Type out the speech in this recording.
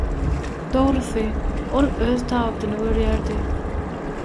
Dogrusy, ol öz tabydyny görýärdi.